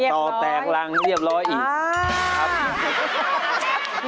ต่อแตกรังเรียบร้อยอีกครับ